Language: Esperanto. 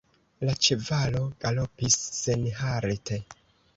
La ĉevalo galopis senhalte.